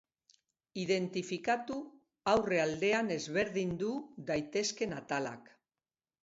Identifikatu aurre aldean ezberdindu daitezken atalak